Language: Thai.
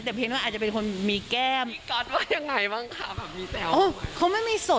แต่เพียงว่าอาจจะเป็นคนมีแก้ม